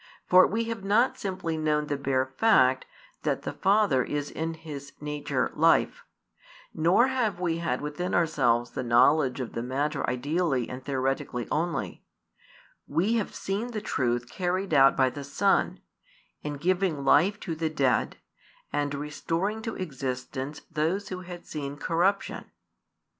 For we have not simply known the bare fact that the Father is in His nature Life; nor have we had within ourselves the knowledge of the matter ideally and theoretically only: we have seen the truth carried out by the Son, in giving life to the dead, and restoring to existence those who had seen corruption.